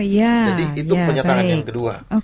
jadi itu penyataan yang kedua